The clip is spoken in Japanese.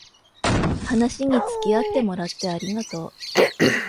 話につきあってもらってありがとう